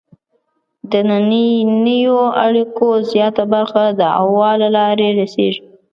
د دنننیو اړیکو زیاته برخه د هوا له لارې رسیږي.